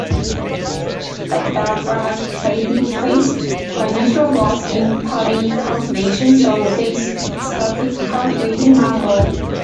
But the farmers faced financial loss in paddy cultivation so they started cultivating mango.